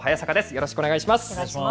よろしくお願いします。